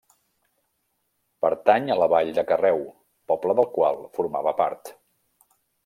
Pertany a la vall de Carreu, poble del qual formava part.